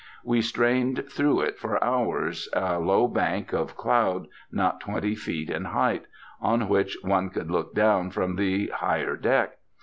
We strained through it for hours, a low bank of cloud, not twenty feet in height, on which one could look down from the higher deck.